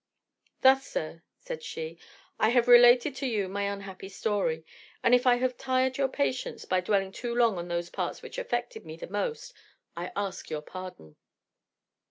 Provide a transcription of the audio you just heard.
"Thus, sir," said she, "I have related to you my unhappy story, and if I have tired your patience, by dwelling too long on those parts which affected me the most, I ask your pardon."